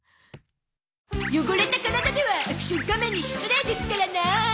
汚れた体ではアクション仮面に失礼ですからなあ！